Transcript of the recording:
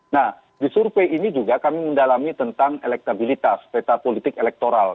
nah di survei ini juga kami mendalami tentang elektabilitas peta politik elektoral